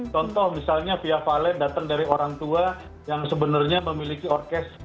contoh misalnya via valen datang dari orang tua yang sebenarnya memiliki orkes